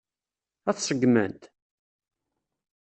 Ad t-seggment?